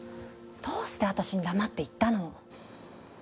どうして私に黙って行ったの？